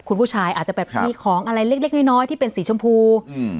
คุณผู้ชายอาจจะแบบมีของอะไรเล็กเล็กน้อยน้อยที่เป็นสีชมพูอืม